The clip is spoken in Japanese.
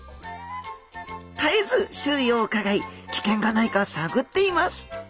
絶えず周囲をうかがい危険がないか探っています。